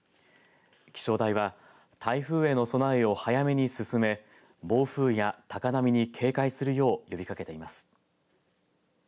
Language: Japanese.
気象台は台風への備えを早めに進め暴風や高波に警戒するよう呼びかけています。